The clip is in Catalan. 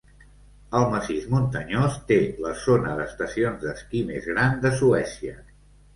El massís muntanyós té la zona d'estacions d'esquí més gran de Suècia.